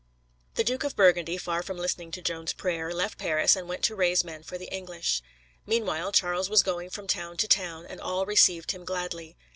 The Duke of Burgundy, far from listening to Joan's prayer, left Paris and went to raise men for the English. Meanwhile, Charles was going from town to town, and all received him gladly.